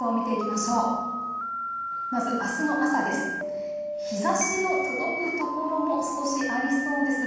まず、あすの朝です。